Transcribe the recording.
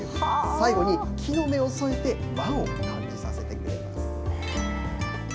最後に木の芽を添えて和を感じさせてくれます。